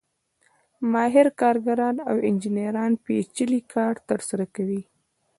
ماهر کارګران او انجینران پېچلی کار ترسره کوي